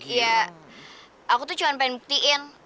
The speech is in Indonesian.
ya aku tuh cuma pengen buktiin